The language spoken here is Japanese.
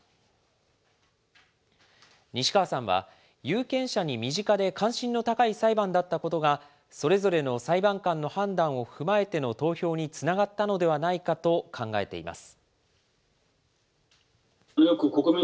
西川さんは、有権者に身近で関心の高い裁判だったことが、それぞれの裁判官の判断を踏まえての投票につながったのではないかと考えています。